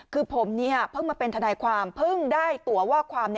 คือผมเพิ่งมาเป็นทนายความเพิ่งได้ตัวว่าความ